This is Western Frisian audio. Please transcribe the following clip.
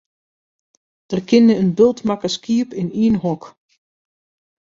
Der kinne in bult makke skiep yn ien hok.